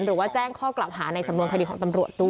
หรือว่าแจ้งข้อกล่าวหาในสำนวนคดีของตำรวจด้วย